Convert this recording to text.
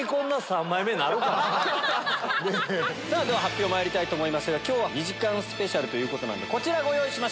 では発表まいりたいと思いますが今日は２時間スペシャルなのでこちらご用意しました。